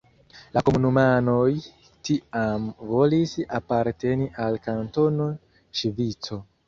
La komunumanoj tiam volis aparteni al Kantono Ŝvico.